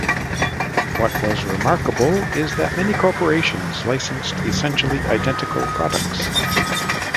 What was remarkable is that many corporations licensed essentially identical products.